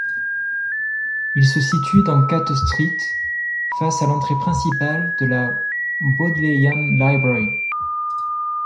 Il se situe dans Catte Street, face à l'entrée principale de la Bodleian Library.